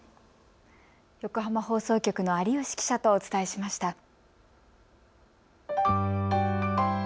横浜放送局の有吉記者とお伝えしました。